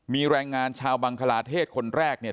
มีแรงงานชาวบังคลาเทศคนแรกเนี่ย